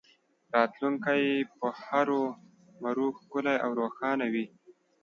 راتلونکی به هرومرو ښکلی او روښانه وي